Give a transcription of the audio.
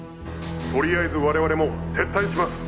とりあえず我々も撤退します！